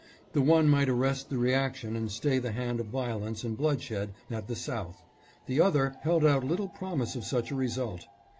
The one might arrest the reaction and stay the hand of violence and blood shed at the South ; the other held out little promise of such a result.